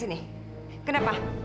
bela terus bapak